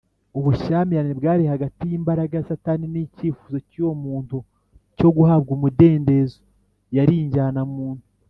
ubushyamirane bwari hagati y’imbaraga ya satani n’icyifuzo cy’uwo muntu cyo guhabwa umudendezo yari injyanamuntu